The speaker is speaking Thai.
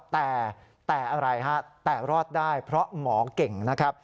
แต่อะไรแต่รอดได้เพราะหมอเก่ง